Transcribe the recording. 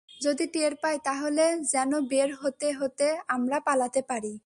যদি টের পায় তাহলে যেন বের হতে হতে আমরা পালাতে পারি।